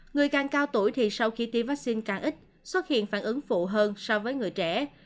người càng cao tuổi thì sau khi tiêm vaccine càng ít xuất hiện phản ứng phụ hơn so với người trẻ